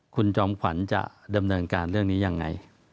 คุณจอมขวัญจะดำเนินการเรื่องนี้ยังไง